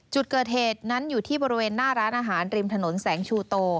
จุดเกิดเหตุนั้นอยู่ที่บริเวณหน้าร้านอาหารริมถนนแสงชูโต